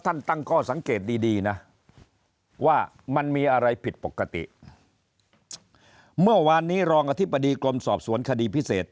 ตั้งข้อสังเกตดีดีนะว่ามันมีอะไรผิดปกติเมื่อวานนี้รองอธิบดีกรมสอบสวนคดีพิเศษ